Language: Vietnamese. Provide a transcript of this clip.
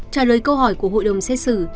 trả lời câu hỏi của hội đồng xét xử